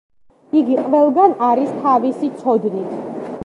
იგი ყველგან არის თავისი ცოდნით.